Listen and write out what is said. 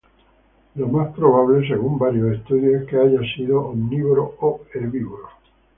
Lo más probable, según varios estudios, es que haya sido omnívoro o herbívoro.